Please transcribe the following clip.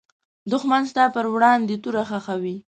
دښمن ستا پر وړاندې توره خښوي